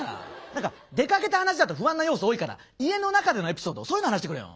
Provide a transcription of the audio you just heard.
何か出かけた話だと不安な要素多いから家の中でのエピソードそういうの話してくれよ。